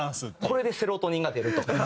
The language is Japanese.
これでセロトニンが出ると。